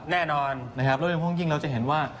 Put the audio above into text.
แล้วยังคล่องจิ้งเราจะเห็นว่า